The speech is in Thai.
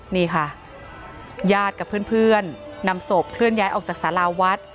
นี่ค่ะญาติกับเพื่อนนำศพเคลื่อนย้ายออกจากสาราวัด